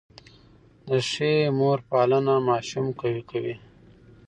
د ښې مور پالنه ماشوم قوي کوي.